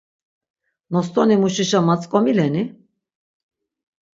Nostonimuşişa matzǩomileni?